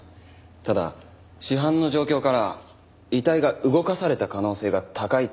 ただ死斑の状況から遺体が動かされた可能性が高いとの事でした。